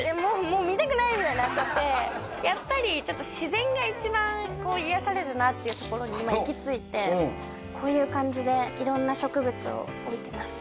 もう見たくない！みたいになっちゃってやっぱりちょっと自然が一番こう癒やされるなっていうところに今行き着いてこういう感じで色んな植物を置いてます